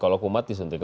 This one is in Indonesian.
kalau kumat disuntik lagi